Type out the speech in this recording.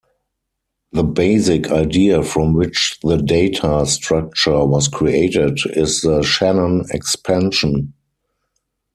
The basic idea from which the data structure was created is the Shannon expansion.